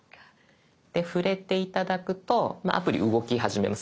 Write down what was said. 触れて頂くとアプリ動き始めます。